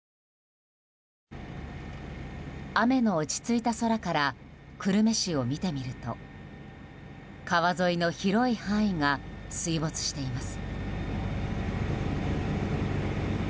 雨の落ち着いた空から久留米市を見てみると川沿いの広い範囲が水没しています。